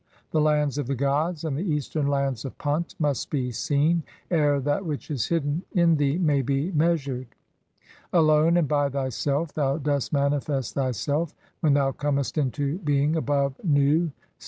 The lands of the gods, and the "eastern lands of Punt 1 must be seen, ere that which is hidden "(20) [in thee] may be measured. Alone and by thyself thou "dost manifest thyself [when] thou comest into being above Nu "